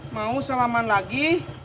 mau salaman lagi